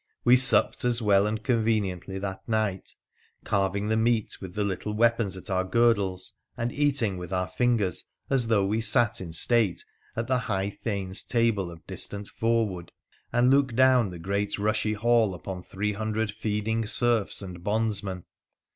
We supped as well and conveniently that night, carving the meat with the little weapons at our girdles, and eating with our fingers, as though we sat in state at the high thane's table of distant Voewood and looked down the great rushy hall upon three hundred feeding serfs and bondsmen.